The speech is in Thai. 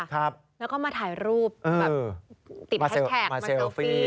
แล้วก็มาถ่ายรูปแบบติดแฮชแท็กมาเซลฟี่